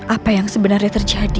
apa yang sebenarnya terjadi